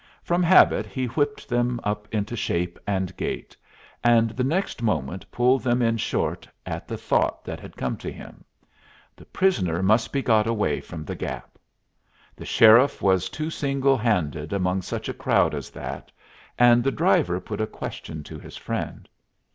From habit he whipped them up into shape and gait, and the next moment pulled them in short, at the thought that had come to him. The prisoner must be got away from the Gap. The sheriff was too single handed among such a crowd as that, and the driver put a question to his friend.